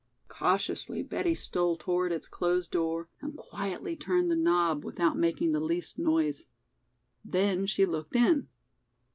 Cautiously Betty stole toward its closed door and quietly turned the knob without making the least noise. Then she looked in.